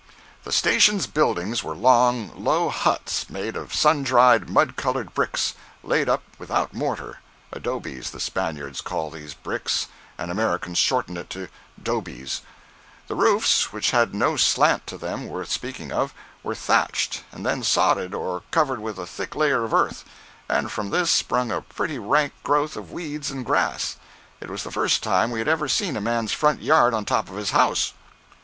The station buildings were long, low huts, made of sundried, mud colored bricks, laid up without mortar (adobes, the Spaniards call these bricks, and Americans shorten it to 'dobies). The roofs, which had no slant to them worth speaking of, were thatched and then sodded or covered with a thick layer of earth, and from this sprung a pretty rank growth of weeds and grass. It was the first time we had ever seen a man's front yard on top of his house.